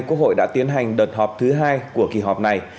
quốc hội đã tiến hành đợt họp thứ hai của kỳ họp này